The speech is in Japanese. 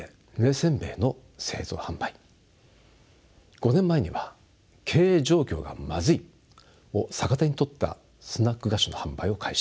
５年前には「経営状況がまずい」を逆手にとったスナック菓子の販売を開始